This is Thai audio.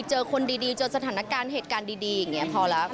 เจอคนดีเจอสถานการณ์เหตุการณ์ดีอย่างนี้พอแล้ว